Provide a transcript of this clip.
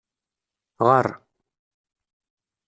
Ɣar!